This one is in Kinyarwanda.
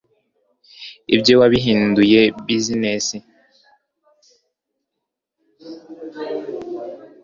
ibye wabihinduye bizinesi